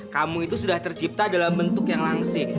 kamu itu sudah tercipta dalam bentuk yang langsing